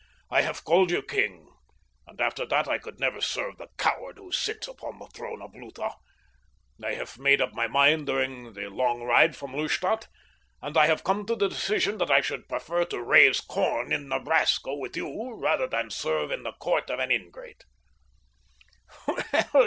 "I have called you king, and after that I could never serve the coward who sits now upon the throne of Lutha. I have made up my mind during this long ride from Lustadt, and I have come to the decision that I should prefer to raise corn in Nebraska with you rather than serve in the court of an ingrate."